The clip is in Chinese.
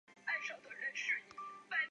郭台铭提告求偿。